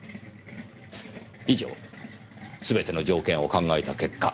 以上すべての条件を考えた結果。